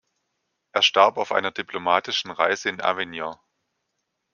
Er starb auf einer diplomatischen Reise in Avignon.